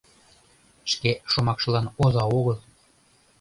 Шке шомакшылан оза огыл.